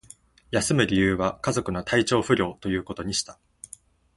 休む理由は、家族の体調不良ということにした